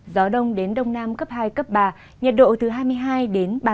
gió đông đến đông nam cấp hai cấp ba nhiệt độ từ hai mươi hai đến ba mươi độ